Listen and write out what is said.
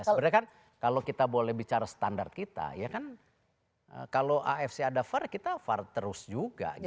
sebenarnya kan kalau kita boleh bicara standar kita ya kan kalau afc ada var kita var terus juga